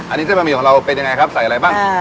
อันนี้เส้นบะหมี่ของเราเป็นยังไงครับใส่อะไรบ้าง